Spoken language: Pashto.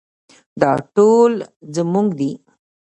دا ټول زموږ دي